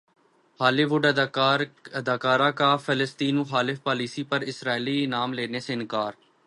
ہالی وڈ اداکارہ کا فلسطین مخالف پالیسی پر اسرائیلی انعام لینے سے انکار